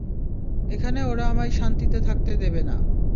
এখানে ওরা আমায় শান্তিতে থাকতে দেবে না।